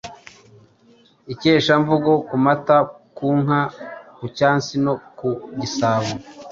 Ikeshamvugo ku mata, ku nka, ku cyansi no ku gisabo